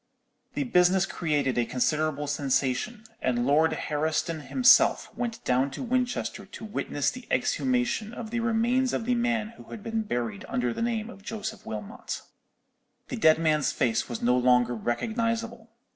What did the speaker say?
The business created a considerable sensation, and Lord Herriston himself went down to Winchester to witness the exhumation of the remains of the man who had been buried under the name of Joseph Wilmot. "The dead man's face was no longer recognizable.